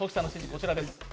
こちらです。